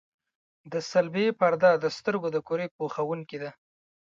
د صلبیې پرده د سترګو د کرې پوښوونکې ده.